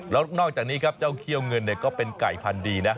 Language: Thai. แล้วนอกจากนี้ครับเจ้าเขี้ยวเงินก็เป็นไก่พันธุ์ดีนะ